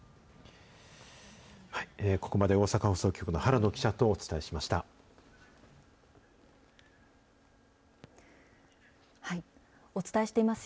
ここまで大阪放送局の原野記者とお伝えしました。